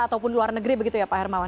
ataupun luar negeri begitu ya pak hermawan